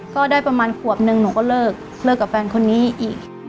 ก็ได้ประมาณขวบนึงหนูก็เลิกเลิกกับแฟนคนนี้อีก